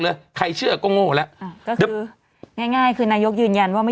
เลยใครเชื่อก็โง่แล้วอ่าก็คือง่ายง่ายคือนายกยืนยันว่าไม่